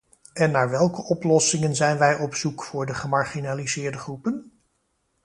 En naar welke oplossingen zijn wij op zoek voor de gemarginaliseerde groepen?